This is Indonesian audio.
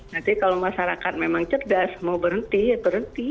nanti kalau masyarakat memang cerdas mau berhenti ya berhenti